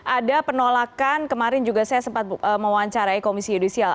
ada penolakan kemarin juga saya sempat mewawancarai komisi yudisial